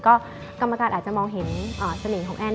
ก็กรรมการอาจจะมองเห็นเสน่ห์ของแอน